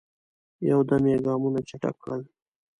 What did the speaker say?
یو دم یې ګامونه چټک کړل.